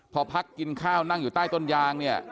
พอพักกินข้าวนั่งอยู่ใต้ต้นยางเนี่ย